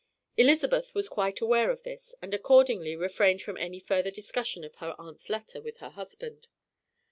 Elizabeth was quite aware of this, and accordingly refrained from any further discussion of her aunt's letter with her husband.